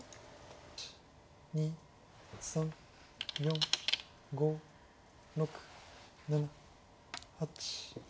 １２３４５６７８。